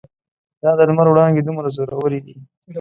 دا د لمر وړانګې دومره زورورې دي.